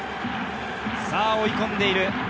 追い込んでいる。